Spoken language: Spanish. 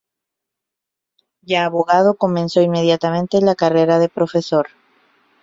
Ya abogado comenzó inmediatamente la carrera de profesor.